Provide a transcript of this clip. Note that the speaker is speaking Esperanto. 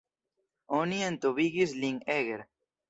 Oni entombigis lin en Eger.